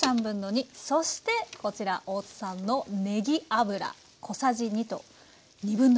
そしてこちら大津さんのねぎ油小さじ２1/2。